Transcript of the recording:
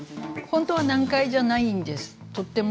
本当は難解ではないんです。